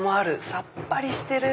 さっぱりしてる！